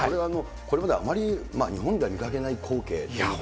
これまであまり日本では見かけない光景というか。